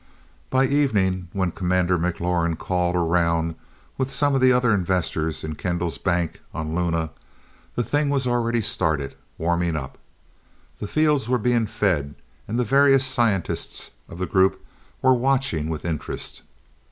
By evening, when Commander McLaurin called around with some of the other investors in Kendall's "bank" on Luna, the thing was already started, warming up. The fields were being fed and the various scientists of the group were watching with interest.